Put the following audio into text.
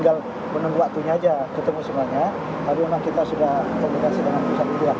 tapi tinggal menunggu waktunya aja ketemu semuanya